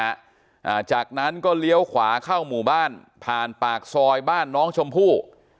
อ่าจากนั้นก็เลี้ยวขวาเข้าหมู่บ้านผ่านปากซอยบ้านน้องชมพู่